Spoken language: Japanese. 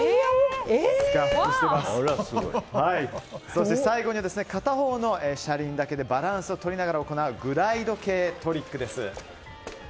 そして、最後には片方の車輪だけでバランスをとりながら行うグライド系トリックです。